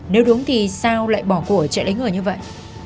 nếu đúng thì sao lại bỏ của chạy lấy người như vậy